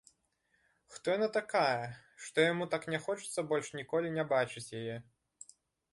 Хто яна такая, што яму так не хочацца больш ніколі не бачыць яе?